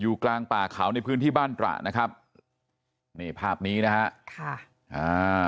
กลางป่าเขาในพื้นที่บ้านตระนะครับนี่ภาพนี้นะฮะค่ะอ่า